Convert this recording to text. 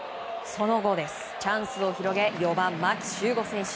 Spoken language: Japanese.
その後、チャンスを広げ４番、牧秀悟選手。